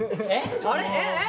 あれえ？え？